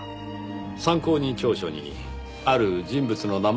参考人調書にある人物の名前があったんです。